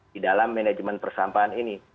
di dalam manajemen persampahan ini